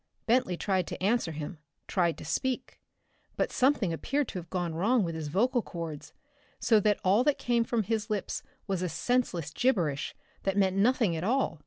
Bentley tried to answer him, tried to speak, but something appeared to have gone wrong with his vocal cords, so that all that came from his lips was a senseless gibberish that meant nothing at all.